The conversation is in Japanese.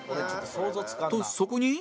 とそこに？